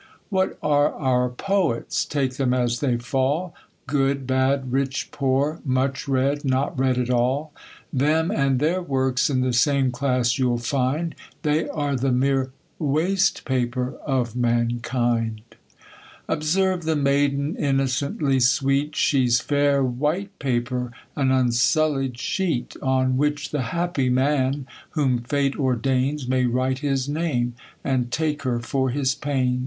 What are our poets, take them as they fall, Good, bad, rich, poor, much read, not read at all? Them and thf ir works in the same class you'll find ; They are the mere waste paper of mankind. JjL Observe 48 THE COLUMBIAN ORATOR. Observe the maiden, innocently sweet, She's fair white paper, an unsullied sheet ; On which the happy man, whom fate ordains, May write his name, and take, her for his pains.